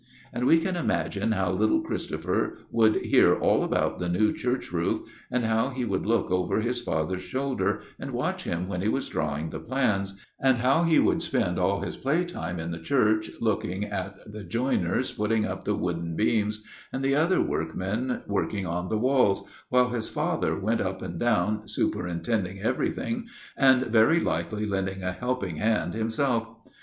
And we can imagine how little Christopher would hear all about the new church roof, and how he would look over his father's shoulder and watch him when he was drawing the plans, and how he would spend all his play time in the church, looking at the joiners putting up the wooden beams, and the other workmen working on the walls, while his father went up and down, superintending everything, and very likely lending a helping hand himself.